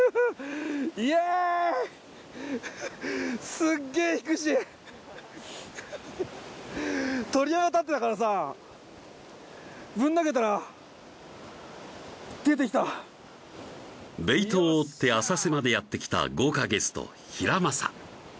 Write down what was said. すっげ引くし鳥山立ってたからさぶん投げたら出てきたベイトを追って浅瀬までやって来た豪華ゲスト・ヒラマサ